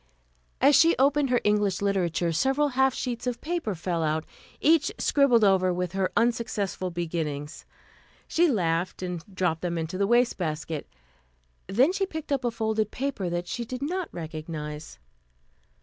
As she opened her English Literature, several half sheets of paper fell out, each scribbled over with her unsuccessful beginnings.... She laughed and dropped them into the wastebasket. Then she picked up a folded paper that she did not recognize.